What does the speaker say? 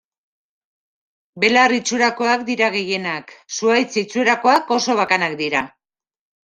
Belar itxurakoak dira gehienak; zuhaitz itxurakoak oso bakanak dira.